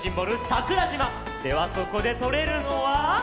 桜島！ではそこでとれるのは。